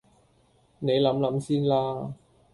你諗諗先啦